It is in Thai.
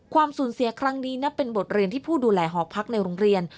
สูญเสียครั้งนี้นับเป็นบทเรียนที่ผู้ดูแลหอพักในโรงเรียน